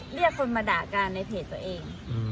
เรียกคนมาด่ากันในเพจตัวเอง